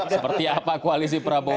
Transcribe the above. seperti apa koalisi prabowo